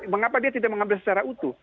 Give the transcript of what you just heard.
mengapa dia tidak mengambil secara utuh